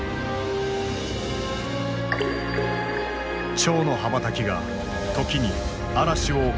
蝶の羽ばたきが時に嵐を起こすことがある。